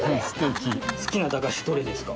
好きな駄菓子どれですか？